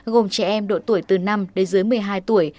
gồm trẻ em độ tuổi từ năm đến dưới một mươi hai tuổi